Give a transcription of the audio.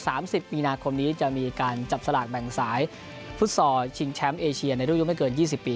สิบมีนาคมนี้จะมีการจับสลากแบ่งสายฟุตซอลชิงแชมป์เอเชียในรุ่นยุคไม่เกินยี่สิบปี